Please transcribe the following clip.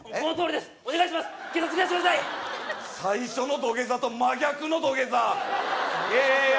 最初の土下座と真逆の土下座いや